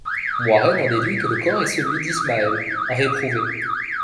Moiraine en déduit que le corps est celui d'Ishamael, un Réprouvé.